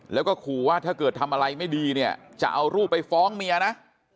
แล้วก็ขู่ว่าถ้าเกิดทำอะไรไม่ดีเนี่ยจะเอารูปไปฟ้องเมียนะ